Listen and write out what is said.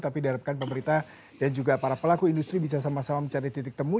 tapi diharapkan pemerintah dan juga para pelaku industri bisa sama sama mencari titik temu